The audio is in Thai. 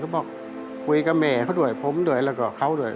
บอกคุยกับแม่เขาด้วยผมด้วยแล้วก็เขาด้วย